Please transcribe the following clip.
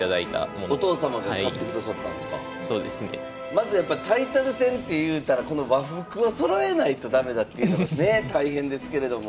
まずやっぱタイトル戦っていうたらこの和服をそろえないと駄目だっていうのがね大変ですけれども。